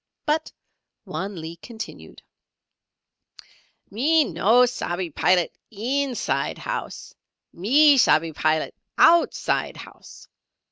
But Wan Lee continued: "Me no shabbee Pilat inside housee; me shabbee Pilat outside housee.